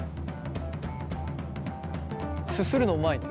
すするのうまいね。